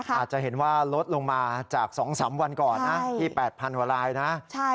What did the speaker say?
อาจจะเห็นว่าลดลงมาจาก๒๓วันก่อนที่๘๐๐๐ราย